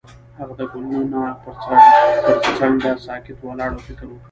هغه د ګلونه پر څنډه ساکت ولاړ او فکر وکړ.